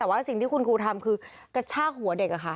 แต่กลุ่มที่คุณครูทำนะคะคือกระชากหัวเด็ก